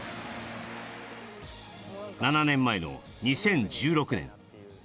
７年前の２０１６年。